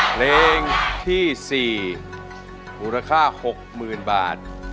เพลงที่๔มูลค่า๖๐๐๐บาท